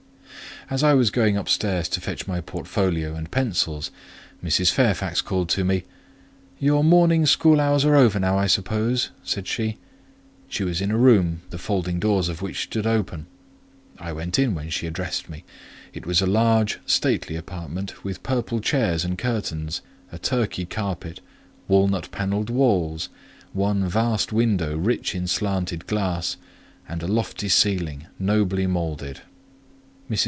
As I was going upstairs to fetch my portfolio and pencils, Mrs. Fairfax called to me: "Your morning school hours are over now, I suppose," said she. She was in a room the folding doors of which stood open: I went in when she addressed me. It was a large, stately apartment, with purple chairs and curtains, a Turkey carpet, walnut panelled walls, one vast window rich in stained glass, and a lofty ceiling, nobly moulded. Mrs.